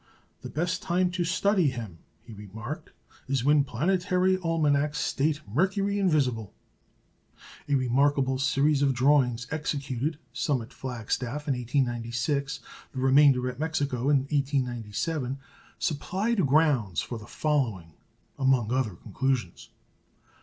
"The best time to study him," he remarked, "is when planetary almanacs state 'Mercury invisible.'" A remarkable series of drawings executed, some at Flagstaff in 1896, the remainder at Mexico in 1897, supplied grounds for the following, among other, conclusions.